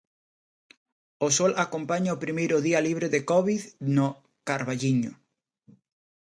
O sol acompaña o primeiro día libre de covid no Carballiño.